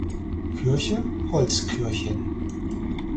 Kirche Holzkirchen.